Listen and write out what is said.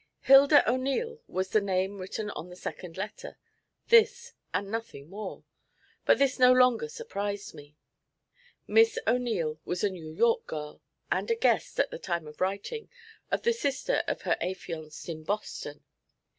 Hilda O'Neil was the name written on the second letter, this and nothing more; but this no longer surprised me. Miss O'Neil was a New York girl, and a guest, at the time of writing, of the sister of her affianced, in Boston.